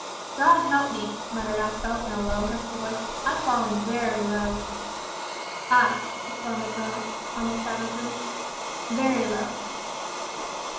"God help me," muttered Aspel, in a low husky voice, "I've fallen very low!" "Ay," responded Bones, almost savagely, "very low."